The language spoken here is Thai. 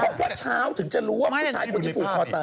เพราะว่าเช้าถึงจะรู้ว่าผู้ชายเป็นญี่ปุ่นเขาตาย